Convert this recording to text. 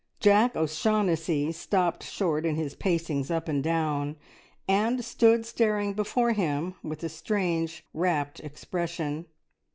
Jack O'Shaughnessy stopped short in his pacings up and down, and stood staring before him with a strange, rapt expression.